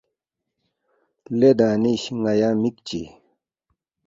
لے دانش نیا مِک چی